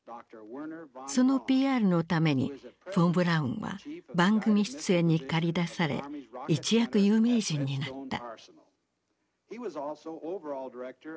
そのＰＲのためにフォン・ブラウンは番組出演に駆り出され一躍有名人になった。